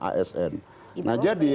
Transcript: asn nah jadi